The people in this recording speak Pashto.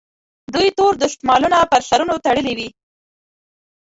دوی تور دستمالونه پر سرونو تړلي وي.